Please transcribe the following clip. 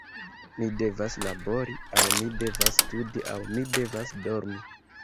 Mi devas labori, aŭ mi devas studi, aŭ mi devas dormi.